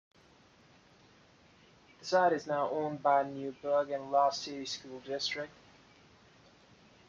The site is now owned by the Newburgh Enlarged City School District.